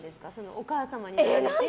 お母様になられて。